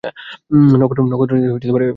নক্ষত্রদের এ কী কাণ্ড!